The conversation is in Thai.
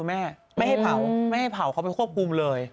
ไม่ให้เผาเขาไปควบคุมเลย